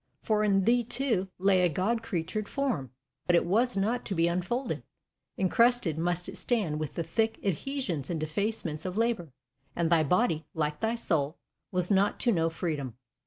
For in thee, too, lay a god created Form, but it was not to be unfolded; encrusted must it stand with the thick adhesions and defacements of Labour: and thy body, like thy soul, was not to know freedom.